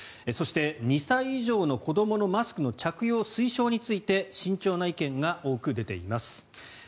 そして、２歳以上の子どものマスクの着用推奨について慎重な意見が多く出ています。